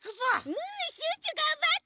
うんシュッシュがんばって！